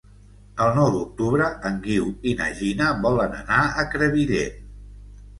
El nou d'octubre en Guiu i na Gina volen anar a Crevillent.